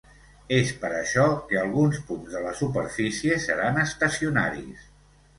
És per això que alguns punts de la superfície seran estacionaris.